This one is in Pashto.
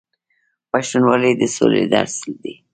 پښتونولي د سولې درس دی.